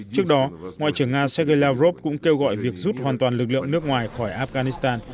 trước đó ngoại trưởng nga sergei lavrov cũng kêu gọi việc rút hoàn toàn lực lượng nước ngoài khỏi afghanistan